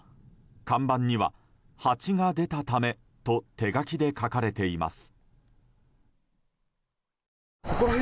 看板には「ハチが出たため」と手書きで書かれていました。